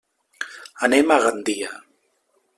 Anem a Gandia.